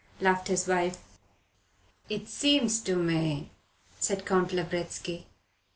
laughed his wife. "It seems so to me," said Count Lavretsky.